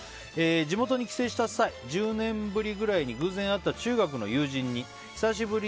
地元に帰省した際１０年ぶりくらいに偶然会った中学の友人に久しぶり。